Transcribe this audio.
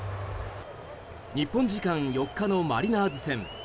日本時間４日のマリナーズ戦。